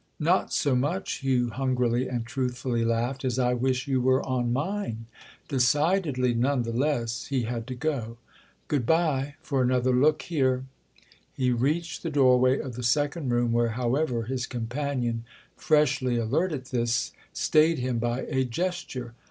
"Not so much," Hugh hungrily and truthfully laughed, "as I wish you were on mine!" Decidedly, none the less, he had to go. "Good bye—for another look here!" He reached the doorway of the second room, where, however, his companion, freshly alert at this, stayed him by a gesture.